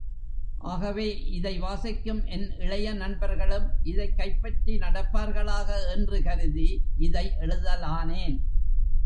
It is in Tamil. ஆகவே இதை வாசிக்கும் என் இளைய நண்பர்களும் இதைக் கைப்பற்றி நடப்பார்களாக என்று கருதி இதை எழுதலானேன்.